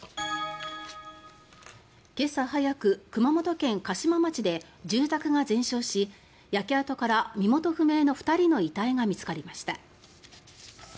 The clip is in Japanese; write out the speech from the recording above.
今朝早く、熊本県嘉島町で住宅が全焼し、焼け跡から身元不明の２人の遺体が見つかりました。